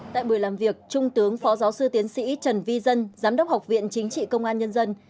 tại buổi làm việc trung tướng phó giáo sư tiến sĩ trần vi dân giám đốc học viện chính trị công an nhân dân